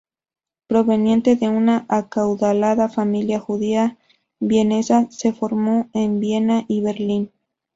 Proveniente de una acaudalada familia judía vienesa se formó en Viena y Berlín.